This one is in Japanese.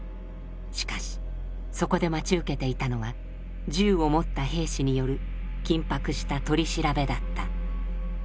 しかしそこで待ち受けていたのは銃を持った兵士による緊迫した取り調べだった。